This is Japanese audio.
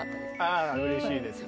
あうれしいですね。